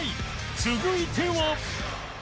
続いては